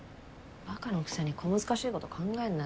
バカのくせに小難しいこと考えんなって。